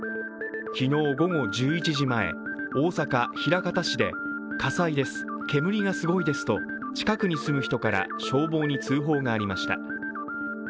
昨日午後１１時前、大阪・枚方市で火災です、煙がすごいですと近くに住む人から消防に通報がありました。